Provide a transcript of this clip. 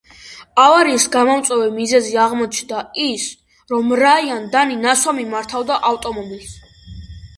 ავარიის გამომწვევი მიზეზი აღმოჩნდა ის, რომ რაიან დანი ნასვამი მართავდა ავტომობილს.